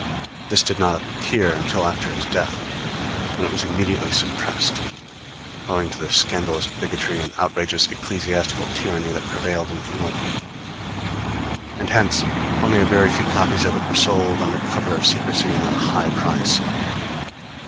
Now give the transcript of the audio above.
This did not appear until after his death, when it was immediately suppressed, owing to the scandalous bigotry and outrageous ecclesiastical tyranny that prevailed in England; and hence only a very few copies of it were sold under cover of secrecy and at a high price.